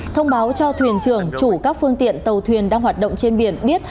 thông báo cho thuyền trưởng chủ các phương tiện tàu thuyền đang hoạt động trên biển biết